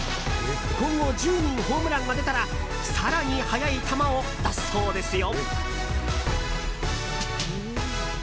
今後１０人ホームランが出たら更に速い球を出すそうですよ。